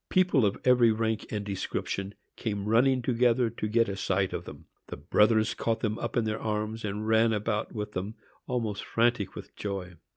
People of every rank and description came running together to get a sight of them. Their brothers caught them up in their arms, and ran about with them, almost frantic with joy.